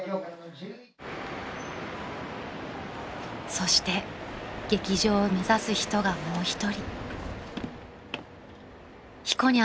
［そして劇場を目指す人がもう一人］